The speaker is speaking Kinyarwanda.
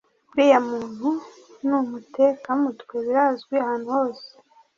uriya muntu numutekamutwe birazwi ahantu hose